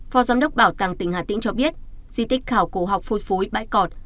phó giám đốc bảo tàng tỉnh hà tĩnh cho biết di tích khảo cổ học phôi phối bãi cọi